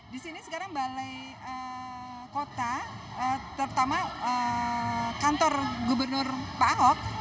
di sini sekarang balai kota terutama kantor gubernur pak ahok